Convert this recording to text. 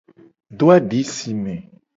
Do adi si me.